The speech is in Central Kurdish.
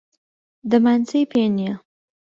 دەمانچەی پێ نییە.